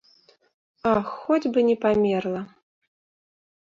Ах, хоць бы не памерла!